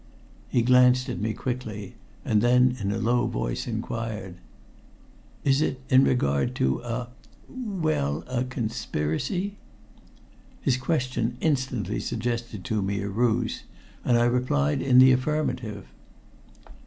He glanced at me quickly, and then in a low voice inquired: "Is it in regard to a well, a conspiracy?" His question instantly suggested to me a ruse, and I replied in the affirmative.